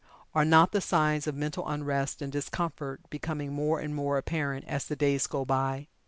Are not the signs of mental unrest and discomfort becoming more and more apparent as the days go by?